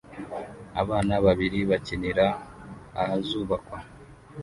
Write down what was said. Abana babiri bakinira ahazubakwa